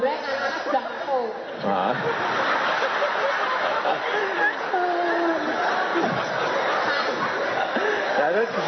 iya di titik titik dulu kan